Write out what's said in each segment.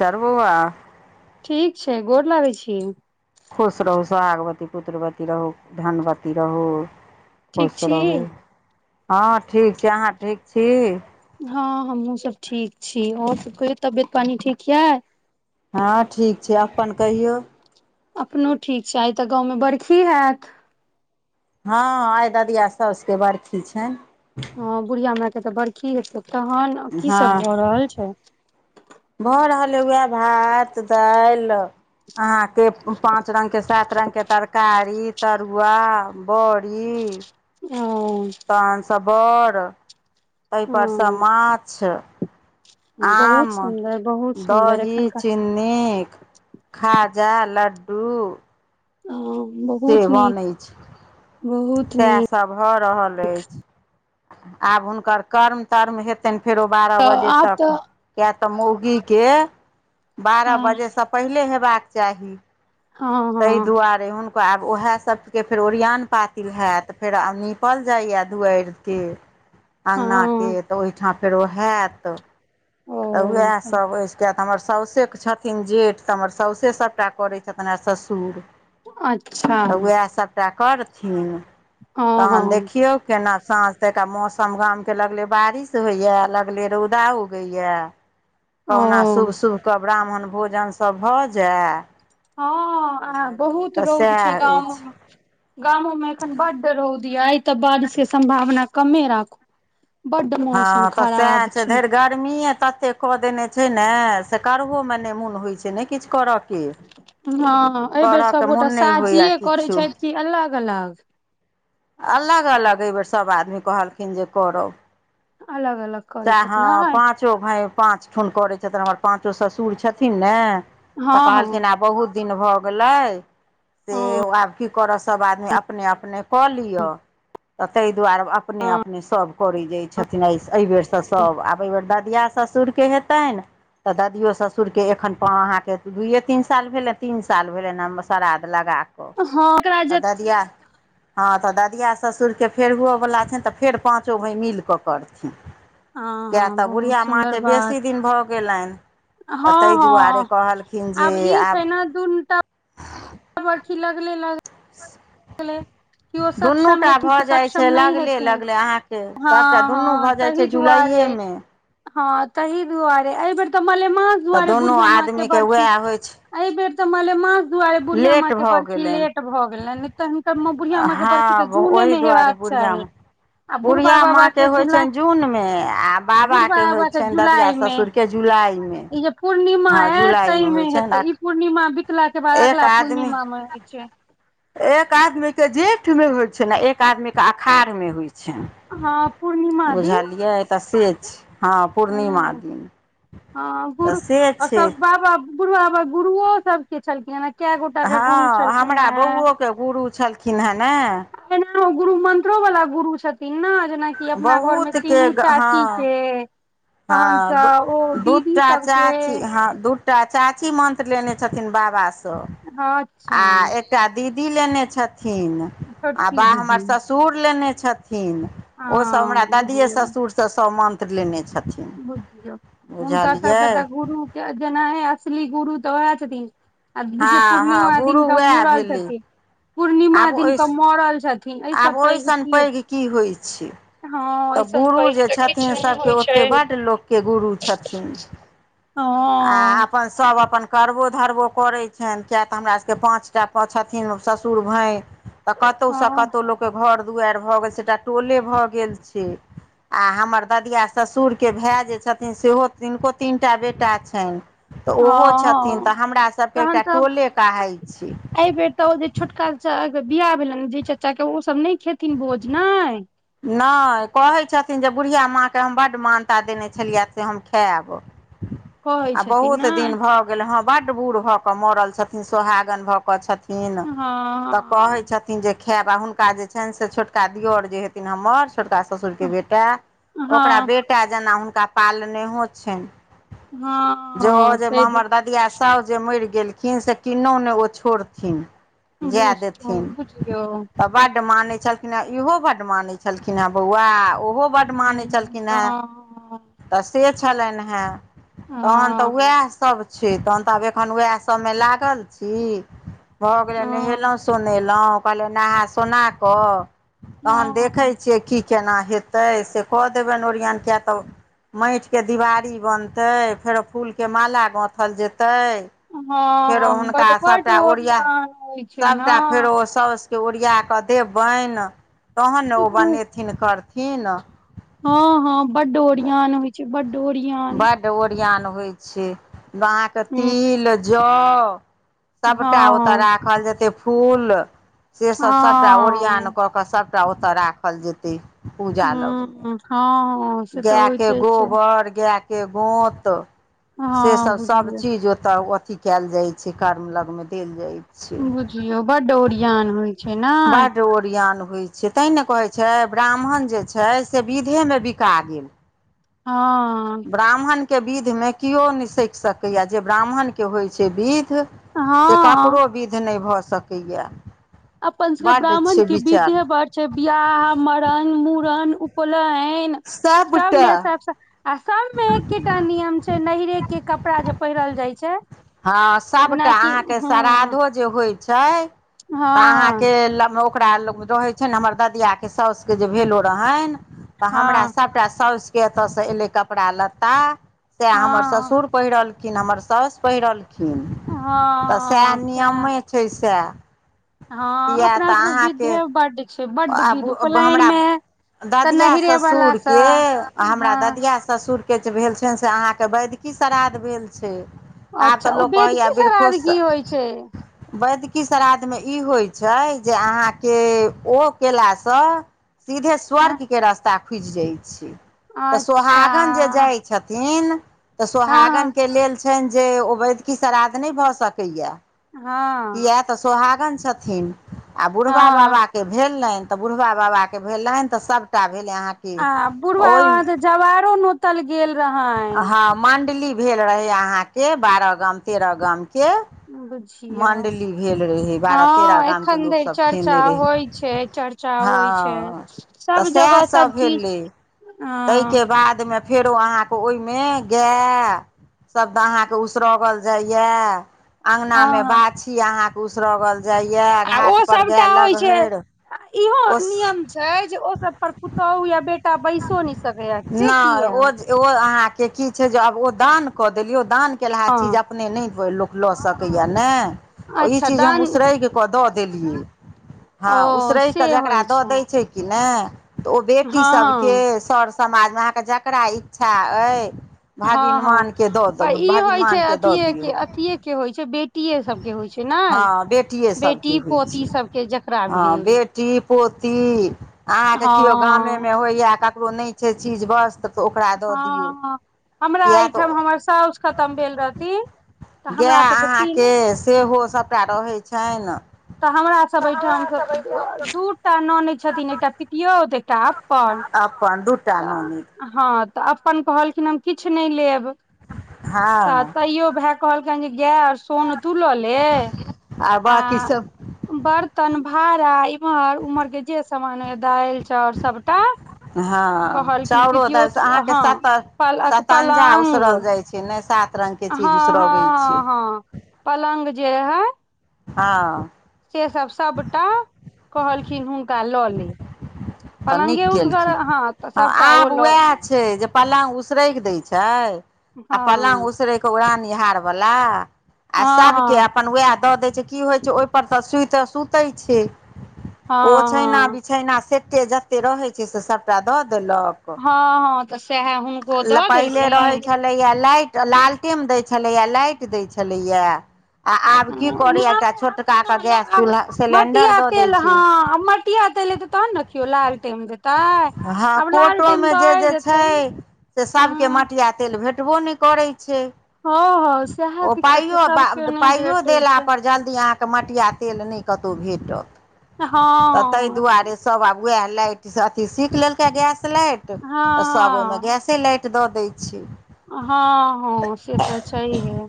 सव [inaudible] ठीक छै गोर लागै छी। खुश रहू, सुहागवती, पुत्रवती रहू, धनवती रहू। ठीक खुश छी रहू हँ ठीक छै अहाँ ठीक छी। हँ हमहुँ सब ठीक छी आओर सब कहि तबियत पानी ठीक यऽ। हँ ठीक छै अपन कहियौ अपनो ठीक छै आइ तऽ गाँवमे बरखी होयैत। हँ आइ ददिया सौसके बरखी छैन ह बुढ़िया मॉं के तऽ बरखि हेतै तहन की हँ सब भौ रहल छै। भऽ रहल हे वहै भात दाईल अहा के पाँच रङ्गके सात रङ्गके तरकारी तरुआ बोरी। ओ तोहनसँ बोर तहि परसँ हँ माछ बहुत आम, सुन्दर बहुत सुन्दर दोही, एखनका चिन्नी खाजा, लड्डू हँ बहुत से बोनै नीक छै बहुत नीक भऽ रहल अछि आब हुनकर कर्म तर्म हेतै। फेरो बारह तऽ बजे आब तक तऽ किया त मौसी के बारह हँ बजे- पहिले हेबाक चाही हँ तहि दुआरे। हुनकर आब ओएह सबके फेर ओरियन पातिल होयत फेर निपल जाइय दुआरि। के हँ हँ अँगनाके तऽ ओहिठाम फेरो होयत तऽ ओ उएहसभ अछि क हमर साउसेके छथिन जेठ तऽ हमर साउसे सभटा करै छथिन आ ससुर। अच्छा तऽ उएह सभटा करथिन हँ तहन हँ देखियौ। केना साँझ तऽक मौसम गामके लगले बारिश होइया लगले रौदा उगैया। कहुना ओ शुभ शुभके ब्राह्मण भोजनसभ भऽ जाए। हँ आ बहुत रौद सएह छै अछि गाममे। गामो मे एखन बड रौदी आइ तऽ बारिश के सम्भावना कमे राखू। बड्ड हँ मौसम तऽ सएह खराब छै। धरि गर्मीए ततेक कऽ देने छै नऽ से करहोमे नहि मोन होइ छै नहि किछु करऽ। हँ एहि बेेर सभगोटा मोन नहि होइए साजीए करैत किछो छथि किी अलग अलग। अलग अलग एहिबेर सभ आदमी कहलखिन जे करब। अलग अलग। करै चए छथि हँ नहि पाँचो भाय पाँच ठुन करैत छथिन हमर पाँचो ससुर छथिन ने। तऽ हँ हँ कहलखिन आब बहुत दिन भऽ गेलै से हँ आब- की करऽ सभ आदमी अपने अपने कऽ लिअ। तऽ ताहि दुआरे अपने अपने सभ करै जाय छथिन एहिबेर। तऽ सभ आब एहि बेर ददिया ससुरके हेतनि। तऽ ददियओ ससुरके एखन अहाँके दुइयए तीन साल भेलनि तीन साल भेलनि श्राद्ध लगा कऽ। कऽ हँ एकरा जे तऽ द दिया। हँ तऽ ददिया ससुरके फेर हओवला छनि तऽ फेर पाँचो भाय मिल कऽ करथिन। हँ किए हँ तऽ बहुत बुढ़िया सुन्दर माँके बात बेसी दिन भऽ गेलनि। तऽ हँ ताहि दुआरे कहलखिन जे आब- दुूनटा। ी लगले लग। भलै। दुनू टा भऽ जाइत छै लगले हेथिन लगले अहाँके हँ सभटा दुनू हँ भऽ जाइ तहि छै। दुआरे जुलाइए मे। हँ तहि दुआरे एहिबेर तऽ मलेमास तऽ दुआरे दुनू बुढ़िया माँ के आदमीके बर्खी। उएह होइ छै एहि बेर तऽ मले माास दुआरे बुढ़िया माँ लेट के भऽ बरखी गेलनि लेट भऽ गेलनि। तऽ हुनकर बुढ़िया माँ कऽ बरखी हँ तऽ जूने ओहि मे दुआरे हेबाक बुढ़िया चाही। माँ आ बुढ़बा बुढ़िया बाबा माँके के होइ जुलाई छनि जूनमे आ बुढ़बा बाबाके होइ बाबा के छनि ददिया जुलाई मे। ससुरके जुलाइमे ई जे पूर्णिमा हँ ऐत जुलाइमे होइ ताहिमे छनि आ हेतै ई। पूर्णिमा बितलााक कऽ बाद एक अगला आदमी पूर्णिमा मे होइ छै। एक आदमीके जेठमे होइत छनि आ एक आदमीके अखाढ़ मे होइत हँ पूर्णिमा छनि। दिन उझालियियै तऽ से छई हँ पूर्णिमा ह दिन तऽ से छै। बुढ़बाबा गुरुओ सब के छलखिन हे क गोटा के गुरु छलखिन हेँ। के गुरु छलखिन हेँ ने। ना गुरु मंत्रो वालला गुरु छथिन ने जेनाि। ई अपना घर मे बहुत के तीनू चाची हँ छै। तहन हँ से ओ दीदी सबके। ? हँ दूटा चाची मंत्र लेने छथिन बाबा सऽ अच्छा आ एकटा दीदी लेने छथिन आ छोटकी बा हमर दीदी ससुर लेने छथिन। ओसभ हँ हमरा दादिए बुझियौ ससुरसँ सभ मन्त्र लेने छ बुझियौ हुनकर सब केँ तऽ गुरु केँ जेनाही असली गुरु तऽ ओहै छथिन। आ बुझिय हँ हँ पूर्णिमा गुरु दिन का उएह मड़ल भेलै छथिन पूर्णिमा आब दिन ओहि कऽ मरल छथिन एहि आब सब पैघ ओहिसन की हेतै। पैघ की होइ छै हँ तऽ ऐसन गुरु पैघ जे तऽ किछु छथिन नहि सभ केँ होइ छै ओते बड्ड लोग केँ गुरु छथिन आ हँ अपन सभ अपन करबो धरबो करै छैन किया तऽ हमरा सभ केँ पाँच टा छथिन ससुर भाय। तऽ कतहुसँ हँ कतहु लोक केँ घर दुआइर भऽ गेल छै एकटा टोले भऽ गेल छै। आ हमर ददिया ससुर केँ भाय जे छथिन सेहो तनको तीनटा बेटा। छैन तऽ हँ ओहो छथिन हँ तऽ हमरा सभ केँ तहन एकटा तऽ टोले कहै छी। एहि बेर तऽ ओ जे छोटका अहाँ कऽ बियाह भेलैन जैय चाचा केँ ओ सब नय खेथिन भोज नाइ नय कहै छथिन जे बुढ़िया माँ केँ हम बड्ड मानता देने छलियै से हम खैब कहै आ छथिन बहुत ने दिन भऽ गेल हँ बड्ड बूढ़ भऽ कऽ मरल छथिन सोहागन भऽ कऽ छथिन तऽ कहै हँ छथिन हन जे खायब आओर हुनका जे छनि से छोटका दिअर जे हेथिन हमर छोटका ससुर केँ बेटा ओकरा हँ बेटा जेना हुनका पालनेहो छैन जो हँ जे तै हमर दद दीया साउस जे मैर गेलखिन से किन्नौ नय ओ छोड़थिन जाए बुझ देथिन बुझियौ तब बड्ड माने छलखिन हे इहो बड्ड माने छलखिन हे बौआ ओहो बड मानै हँ छलखिन हेँ हँ तऽ से छलनि हेँ तहन तऽ हँ वैह सभ छी तहन तऽ आब एखन वेहै सबमे लागल छी भऽ गेले हँ नहेलहुँ सोने लहुँ कहलिये नहा सोना कऽ तहन देखै हँ छियै की केना हेतै से कऽ देबैन ओरियान किया तऽ माइत केँ दीवारी बनतै फेरो फूल केँ माला गाथल जेतै फेरो हँ हुनका बड बड सभटा ओरिया ओरियान होइ छै ने सभटा फेरो साउस केँ ओरिया कऽ देबैन तहन नऽ ओ बनेथिन करथिन हँ -हँ बड्ड ओरियान होइ छै बड्ड ओरियन ओरियन होइ छै अहाँ कऽ ह तिल जौ सबटा ओतय हँ राखल जेते फूल से सभ सभटा हँ ओरियन कऽ कऽ सभटा ओतऽ राखल जेतै हुँ - हँ से तऽ गाय केँ होइते छै गोबर गाय केँ गोत से हँ सब बुझलियै सबचीज ओतऽ अथी कैल जाय छै कर्म लग मऽ देल जाय बुझियौ बड्ड ओरियान होइ छै ने बड्ड ओरियान होइ छै से तैहि नऽ कहै छै ब्राह्मण जे छै से विधेमे बिका गेल हँ ब्राह्मण केँ विधमे केओ मय सकि सकैए जे ब्राह्मण केँ होइ छै विध से हँ ककरो विधि नय भऽ सकै यऽ अपन सबक ब्राह्मण केँ बिछे बड़ छै बियाह मरन मुूड़न उपनयन सभटा सबमे एक तरफ सँ आ सब मे एकेटा नियम छै नहीरे केँ कपड़ा जे पहिरल जाय छै हँ सभटा जेनाकि अहाँकेँ हँ श्रधो जे होइ छै तऽ हँ अहाँकेँ ओकरा लग रहै छै ने हमर ददिये साउासुके जे भेलो रहनि तऽ हमरा हँ सबटा साउासस के एत से एले कपड़ा लत्ता से हमर हँ ससुर पहिरलखिन हमर साउस पहिरलखिन हँ तऽ सएह हँ नियमे छै सएह हँ किए अपना तऽ सबके विध अहाँके ह बड्ड छै बड्ड विध आबू उपनायन हमरा मे तऽ ददिया नहिरे वाला स ससुरके हमरा हँ ददिया ससुरके केछु भेल छनि से अहाँके वैदिकी श्रादध भेल छै आ तऽ अच्छा ओ लोक कहैय बेदकी बरखु सरारगी श होइ छै वदिकी श्राद्धमे ई होइत छै जे अहाँके ओ केलासँ सीधे हँ स्वर्ग के रास्ता खुजि जाइत छै तऽ अच्छा सोहागन जे जाइ छथिन तऽ हँ सोहागन कऽ लेल छइन जे उबैद्य की श्राद्ध नहि भऽ सकैया हँ किया तऽ सोहागन छथिन आ बुढ़बा हँ बाे भेलनि तऽ बुढ़बा बाबाके भेलनि तऽ सभटा भेलै अहाँके आ बुढ़बा बाबा ओहिमे तऽ जवारो नोतल गेल रहनि हँ मण्डली भेल रहै अहाँके बारह गाम तेरह गाम के बुझियौ मण्डली भेल रहै बारह तेरह हँ गाम के एखन धरि लोकसभ चर्चा खेने रहै होइ छै चर्चा हँ होइ छै तऽ सब जगह सब सएहसभ चीज भेलै ताहिके हँ बादमे फेरो अहाँके ओहिमे गै श्द अहाँके उसरगल जाइए अंगना हँ में बाछी अहा के उसरगल जाइया घाट पर गैअ लग हइर अ इहो नियम छै जे ओसभ पर पुतोहु या बेटा बैइसो नय सकैएा से नहि किए ओ ओ अहाँ के की छै जे आब ओ दान क देलिय ओ दान केेला हँ चीज अपने नय कोई लोक लऽ सकेया नऽ इ अच्छा चीज हम दान उसरइग कऽ दऽ देलियै हँ ओ उसरइग से होइ छै कि नहि तऽ ओ बेटी सबके हँ सर समाजमे अहाँके जकरा इच्छा अइ हँ हँ हँ भागिनवानके दऽ दब भागिनवानके दऽ दियौ बेटीये के होइ छै बेटी बेटीये सबके होइ छै ने हँ बेटिए सभके बेटी होइ पोती छै सबके जेकरा हँ भेल बेटी पोती अहाँके केओ हँ गामेमे होइए ककरो नहि छै चीज बस्त हँ हमरा किया एहिठाम तऽ हमर साउस खतम भेल रहती गाय अहाँके सेहो सबटा रहै छनि तऽ हमरा सब अइठाम स दू टा नन्द छथिन एकटा पितियोत एकटा अपन अपन दु तऽ हँ तऽ अपन कहलखिन हम किछ नहि लेब तऽ हँ तयो भाय कहलखनि जे गाय आ सोन तुलले ये आ बाँकी सब बर्तन भाड़ा इम्हर उमहर के जे सामान हय दालि चाउर सबटा हँ कहलखिन चाउरो दालि से अहाँके पितीयोतहँ सत्तर प सतञ्जा उसरल पलगं जाइ छै ने सात रंग के हँ चीज हँ उसरगै छै हँ हँ पलङ्ग जे है हँ से सब सबटा कहलखिन हुनका लऽ ले तऽ नीक पलंगे केलखिन उसगर हँ तऽ सबटा ओ आब लऽ उएह छै जे पलङ्ग उसरैइग दैत छै आ हँ पलङ्ग उसरैइग ौड़ नि वला आ हँ सबके हँ अपन वएह द दै छै की होइ छै ओइ पर तऽ सु सुते छै हँ ओछैना हँ बिछैना से से जते रहइ छै से सभटा दऽ देलक हँ हँ तऽ सेएह हुनको दऽ देलखिन ा लाइट लालटेम दै छलैया लाइट दै छलैया आ आब की करेय एकटा नहि छोटका अपनो के गैस लाल चूलहा सिलेंडर द दै छैय टिया तेले देते तहन नऽ किइयो लाल टेम देतै हँ आब कोटो लालटेम मे जे दए जे देतै छै से सभके हँ मटिया तेल भेट ो नहि करै छै हँ हँ सएह ओ दिक्कत छै पाइो सबके नहि पाइयो भेटै देला छै पर जल्दी आहाँ कऽ मटिया तेल नय कतउ भेटत तऽ तय हँ दुआरे सब आब वएह लाइट अथी सीख लेलक गैस लाइट त सब ओई में हँ गैस लाइट दऽ दै छैय हँ हँ से तऽ् छैये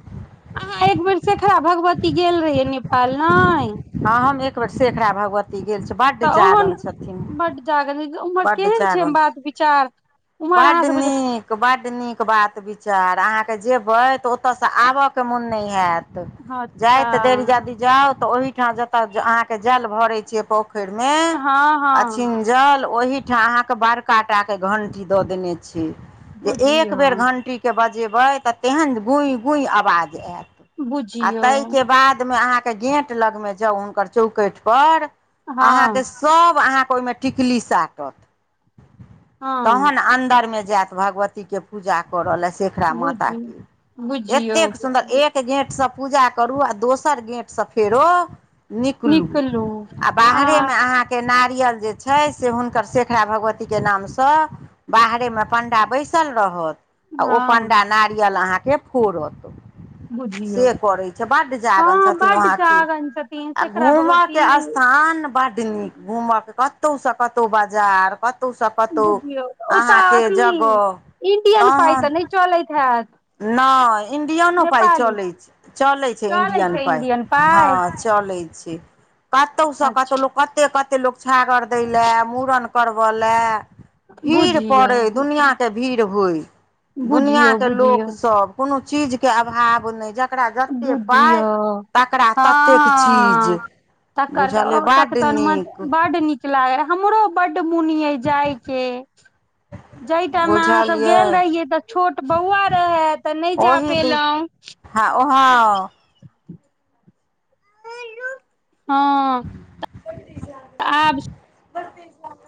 अह एक बेर सेेखरा भगवती गेल रहिये नेपाल ने। हँ हम एक बेेर शेखड़ा भगवती गेल छी बड तऽ ओहन जागरण छै। छथि बड जागरण उम्हर बड केहन छै [unintelligible] बात विचार उम्हर बड अहाँ सबके जे निक बड्ड नीक बात विचार अहाँके जेबै तऽ ओतऽसँ आबऽके मोन नहि हैत तऽ अच्छा जाइ तऽ देरी जाादी जाउ ते ओहि ठाम जतअ अहाँ के जल भरे छे पोखइर में हँ हँ अछििन जल ओहिीठाम अहाँके बड़काटाके घण्टी दऽ देने छै जे एक बुझियौ बेर घण्टीकेँ बजेबै तऽ तेहन गूइि गूइि आवाज आयत। आ बुझियौ ताहि कऽ बादमे अहाँ। के गेंट लग मे जाउ हुनकर चौकठ पर अहााँ हँ के सब- अहाँके ओहिमे टिकली साटत हँ तहन अन्दरमे जायत भगवती। के पूजा कर रहल ह शेखराा माता बुझि के बुझियौ एतेक सुन्दर बुझियौ एक। गेंट सऽ पूजा करू आ दोसर गेंट से फेरो- निकलू आ बाहरेमे अहाँ। के नारियल जे छै से हुनकर शेखरा भगवतीके नामसँ। बाहरेमे पण्डा बैसल रहत। आ ओ हँ पण्डा नारियल अहाँके फोड़त। बुझियौ से करै छै बड्ड जागर हँ छथिन बड्ड वहाँके जागन छथिन आ। शेखरा घूमऽके भगवती स्थान बड नीक घूमऽके कतहुसँ कतहुँ बाजार क। बुझियौ ओतऽ अथी जगह इंडियन पाइ तहन तऽ नहि चलैत हैत। नहि इणडियनो पाइ नेपाली चलैत चलैत छै चलै इण्डियन छै पाइ इंडियन हँ। पाइ चल छै कतौ से अच्छा कतहु कते कते लोक छागर दय लऽ मूड़न- करव लए। भीड़ बुझियौ पड़ै बुझियौ दुनिआँके भीड़ होय बुझियौ दुनिआँके लोक। बुझियौ कोनो चीज के अभाव नहि- तकरा जतेक पाइ बुझियौ तकरा हँ ततेक चीज। हँ तकर बुझलिय बड नीक। लाग हमरो बड्ड मौन यै जाय के। जाहि टाइम मे अहाँ बुझल सब ये गेल रहियै तऽ छोट बौआ रहै तऽ नहि जा ओहि दू पेलहुँं। हँ ओहो। हँ तऽऽ आब।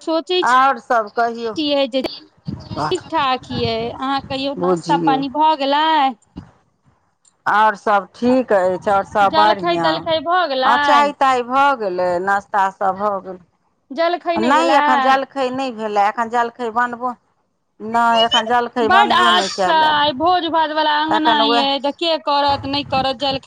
सोचै आओर सभ कहियौ। छियै जे ठीक ठाक यै अहाँ कहियौ नास्ता बुझियौ पानी भऽ गेलै आओर सब ठीक अछि आओर सब जलखै बढ़ऑं तलखै भऽ अ गेलै चाय ताय भऽ भ गेलै नास्ता सब भ गेलै जलखै नहि नय भेलै एखन जलखै नय भेलै एखन जलखै बानबो बड आच्छा कयलए भोज भात वाला अंगना एखन उएह यै के करत नय करत जल